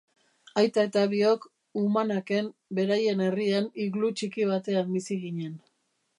Aita eta biok Uummannaq-en, beraien herrian iglu txiki batean bizi ginen.